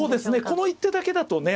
この一手だけだとね